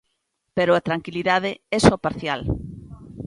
Pero a tranquilidade é só parcial.